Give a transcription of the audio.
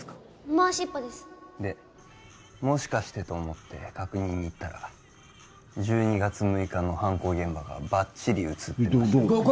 ・まわしっぱですでもしかしてと思って確認に行ったら１２月６日の犯行現場がバッチリ写ってましたどこ？